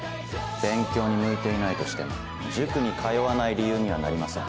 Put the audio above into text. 勉強に向いていないとしても塾に通わない理由にはなりません。